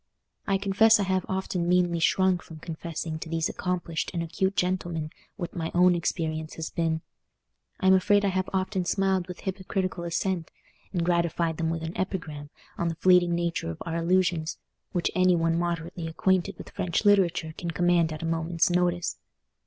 I confess I have often meanly shrunk from confessing to these accomplished and acute gentlemen what my own experience has been. I am afraid I have often smiled with hypocritical assent, and gratified them with an epigram on the fleeting nature of our illusions, which any one moderately acquainted with French literature can command at a moment's notice.